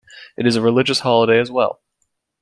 It is a religious holiday as well.